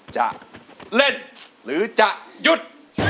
จะเล่นหรือจะหยุด